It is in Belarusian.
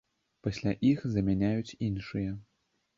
Пасля іх замяняюць іншыя.